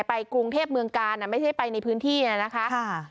ไปกรุงเทพเมืองกาลไม่ใช่ไปในพื้นที่นะคะ